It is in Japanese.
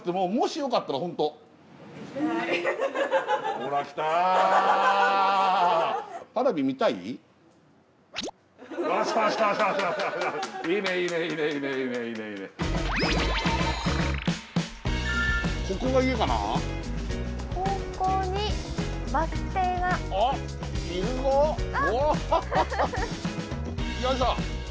よいしょ。